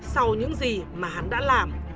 sau những gì mà hắn đã làm